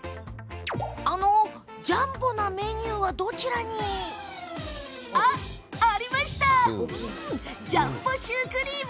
ジャンボなメニューはどちらに？ありましたジャンボシュークリーム！